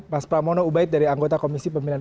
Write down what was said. mas pramono ubaid dari anggota komisi pemilihan